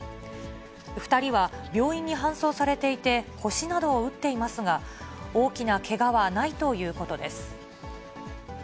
２人は病院に搬送されていて、腰などを打っていますが、大きなけがはないということです。